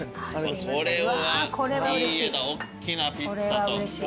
これはいい絵だおっきなピッツァと。